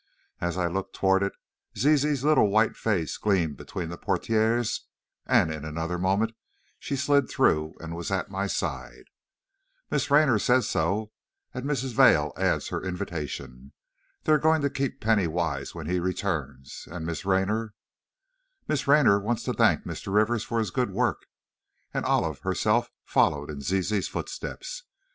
As I looked toward it, Zizi's little white face gleamed between the portières, and in another moment she slid through and was at my side. "Miss Raynor says so, and Mrs. Vail adds her invitation. They're going to keep Penny Wise when he returns, and Miss Raynor " "Miss Raynor wants to thank Mr. Rivers for his good work," and Olive herself followed in Zizi's footsteps.